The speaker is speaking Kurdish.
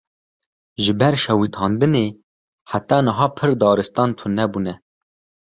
Ji ber şewitandinê, heta niha pir daristan tune bûne